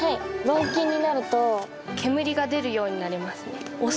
老菌になると煙が出るようになりますね押すと。